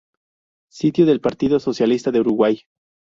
Sitio del Partido Socialista de Uruguay